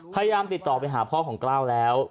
พยายามติดต่อไปหาพ่อของกล้าวแล้ว